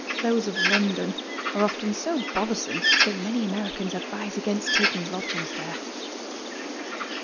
(Those of London are often so bothersome that many Americans advise against taking lodgings there.)